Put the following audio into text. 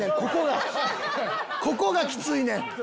ここがきついねん！